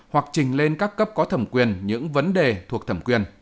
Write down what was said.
hoặc trình lên các cấp có thẩm quyền những vấn đề thuộc thẩm quyền